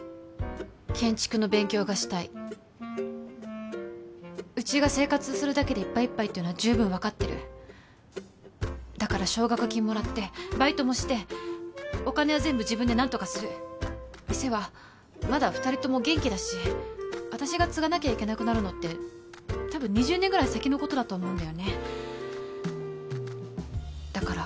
建築の勉強がしたいうちが生活するだけでいっぱいいっぱいっていうのは十分分かってるだから奨学金もらってバイトもしてお金は全部自分で何とかする店はまだ二人とも元気だし私が継がなきゃいけなくなるのって多分２０年ぐらい先のことだと思うんだよねだから